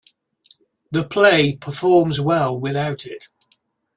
The play performs well without it.